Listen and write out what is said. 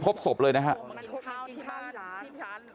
กลับไปลองกลับ